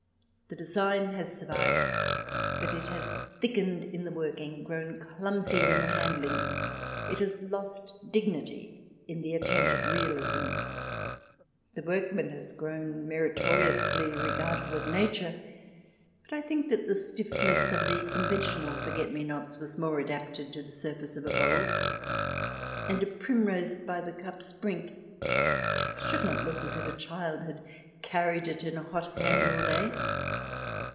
The design has survived, but it has thickened in the working, grown clumsier in the handling : it has lost dignity in the attempt at realism. The workman has grown meritoriously regardful of Nature, but I think that the stiffness of the conventional forget me nots was more adapted to the surface of a bowl, and a primrose by the cup's brink should not look as if a child had carried it in a hot hand all day.